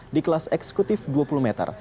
di kelas eksekutif dua puluh meter